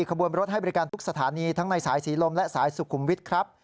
ขบวนรถให้บริการทุกสถานีทั้งในสายศรีลมและสายสุขุมวิทย์ครับ